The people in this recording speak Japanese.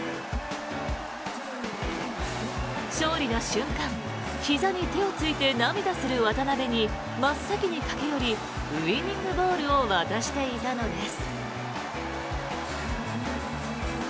勝利の瞬間、ひざに手をついて涙する渡邊に真っ先に駆け寄りウィニングボールを渡していたのです。